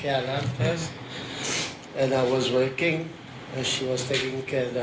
เอาเพื่อนรักชีวิตของฉันมาสร้างโรงพยาบาล